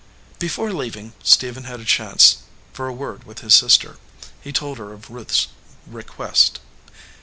Before leaving, Stephen had a chance for a word with his sister. He told her of Ruth s request.